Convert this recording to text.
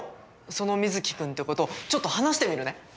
その水城君って子とちょっと話してみるね。